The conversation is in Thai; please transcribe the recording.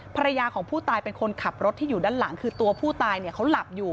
ภรรยาของผู้ตายเป็นคนขับรถที่อยู่ด้านหลังคือตัวผู้ตายเนี่ยเขาหลับอยู่